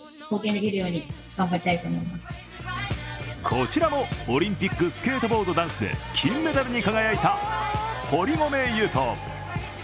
こちらもオリンピックスケートボード男子で金メダルに輝いた堀米雄斗。